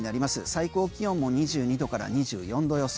最高気温も２２度から２４度予想。